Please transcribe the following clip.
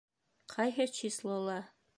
Ҡайһы числола?